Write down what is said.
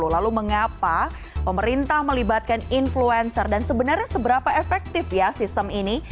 lalu mengapa pemerintah melibatkan influencer dan sebenarnya seberapa efektif ya sistem ini